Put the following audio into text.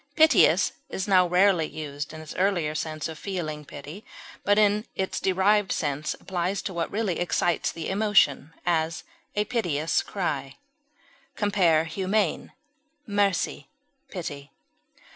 Piteous is now rarely used in its earlier sense of feeling pity, but in its derived sense applies to what really excites the emotion; as, a piteous cry. Compare HUMANE; MERCY; PITY.